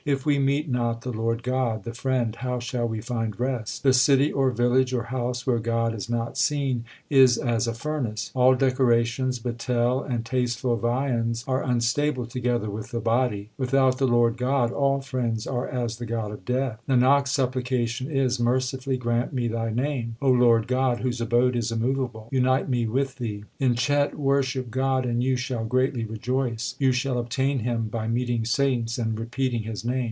If we meet not the Lord God, the Friend, how shall we find rest ? The city or village or house where God is not seen is as a furnace. All decorations, betel, and tasteful viands are unstable together with the body. Without the Lord God all friends are as the god of death. Nanak s supplication is, Mercifully grant me Thy name ; 1 O Lord God, whose abode is immovable, unite me with Thee. In Chet worship God and you shall greatly rejoice. You shall obtain Him by meeting saints and repeating His name.